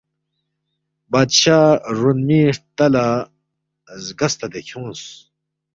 بادشاہ رونمی ہرتا لہ زگہ ستدے کھیونگس